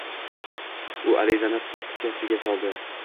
U arizani papkasiga soldi.